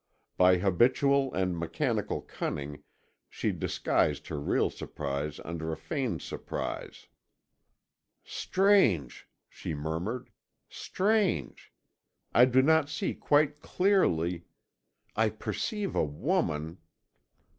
By habitual and mechanical cunning she disguised her real surprise under a feigned surprise. "Strange!" she murmured, "strange! I do not see quite clearly ... I perceive a woman...."